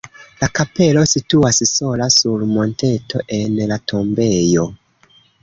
La kapelo situas sola sur monteto en la tombejo.